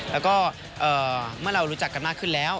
แล้วก็เมื่อเรารู้จักกันมากขึ้นแล้ว